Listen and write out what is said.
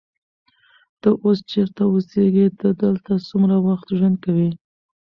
ته اوس چیرته اوسېږې؟ ته دلته څومره وخت ژوند کوې؟